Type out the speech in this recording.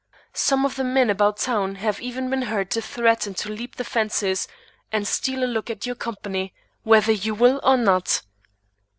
Some of the men about town have even been heard to threaten to leap the fences and steal a look at your company, whether you will or not.